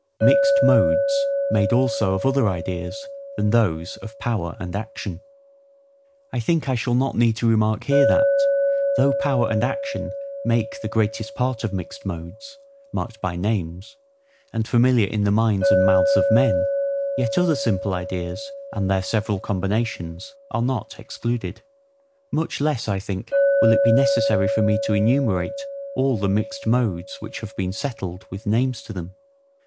Mixed Modes made also of other Ideas than those of Power and Action. I think I shall not need to remark here that, though power and action make the greatest part of mixed modes, marked by names, and familiar in the minds and mouths of men, yet other simple ideas, and their several combinations, are not excluded: much less, I think, will it be necessary for me to enumerate all the mixed modes which have been settled, with names to them.